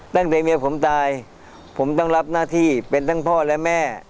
ตั้งแต่เมียผมตายผมต้องรับหน้าที่เป็นทั้งพ่อและแม่